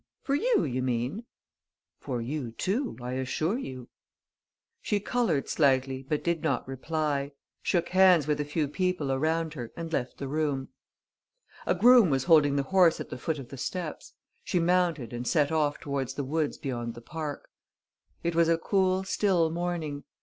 For you, you mean?" "For you, too, I assure you." She coloured slightly, but did not reply, shook hands with a few people around her and left the room. A groom was holding the horse at the foot of the steps. She mounted and set off towards the woods beyond the park. It was a cool, still morning.